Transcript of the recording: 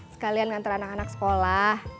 sekalian ngantar anak anak sekolah